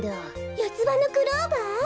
よつばのクローバー？